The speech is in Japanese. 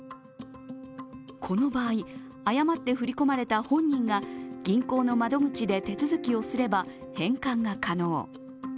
この場合、誤って振り込まれた本人が銀行の窓口で手続をすれば返還可能。